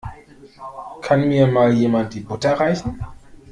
Kann mir mal jemand die Butter reichen?